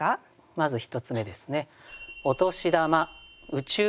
まず１つ目ですね。